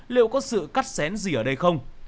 liệu có sự cắt xén gì ở đây không